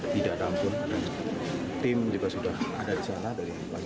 tidak ada ampun tim juga sudah ada di sana dari pagi